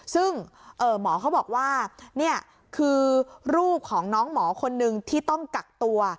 ซึ่งหมอเขาบอกว่านี่คือรูปของน้องหมอคนนึงที่ต้องกักตัว